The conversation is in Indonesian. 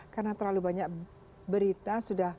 karena terlalu banyak berita